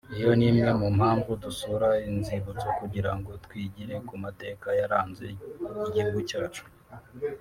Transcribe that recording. iyo ni imwe mu mpamvu dusura inzibutso kugira ngo twigire ku mateka yaranze igihugu cyacu